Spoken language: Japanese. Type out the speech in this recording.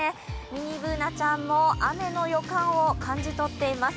ミニＢｏｏｎａちゃんも雨の予感を感じ取っています。